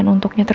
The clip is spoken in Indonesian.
masih gak bisa